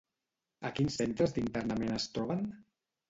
A quins centres d'internament es troben?